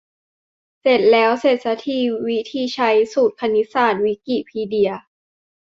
เสร็จแล้ว เสร็จซะที วิธีใช้ : สูตรคณิตศาสตร์ วิกิพีเดีย